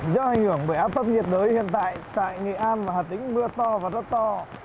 do ảnh hưởng bởi áp thấp nhiệt đới hiện tại tại nghệ an và hà tĩnh mưa to và rất to